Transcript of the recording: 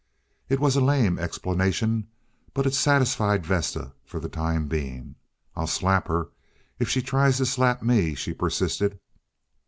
It was a lame explanation, but it satisfied Vesta for the time being. "I'll slap her if she tries to slap me," she persisted.